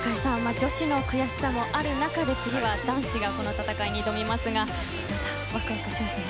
女子の悔しさもある中で次は男子の戦いが挑みますがワクワクしますね。